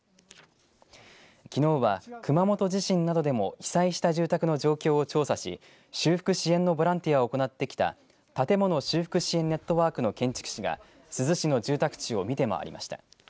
きのうは熊本地震などでも被災した住宅の状況を調査し修復支援のボランティアを行ってきた建物修復支援ネットワークの建築士が珠洲市の住宅地を見て回りました。